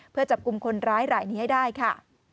เพื่อจับกลุ่มคนร้ายรายนี้ให้ได้ค่ะ